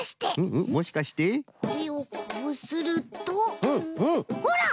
これをこうするとほら！